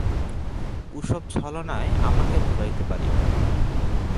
ও-সব ছলনায় আমাকে ভুলাইতে পারিবে না।